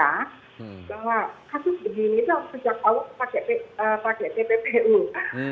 bahwa kasus begini itu sejak awal pakai tppu